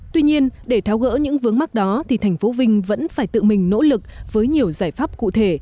tuy nhiên để tháo gỡ những vướng mắt đó thì thành phố vinh vẫn phải tự mình nỗ lực với nhiều giải pháp cụ thể